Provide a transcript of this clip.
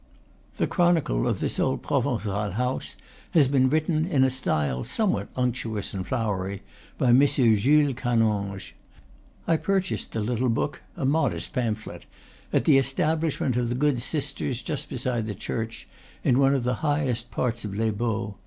The chronicle of this old Provencal house has been written, in a style somewhat unctuous and flowery, by M. Jules Canonge. I purchased the little book a modest pamphlet at the establishment of the good sisters, just beside the church, in one of the highest parts of Les Baux.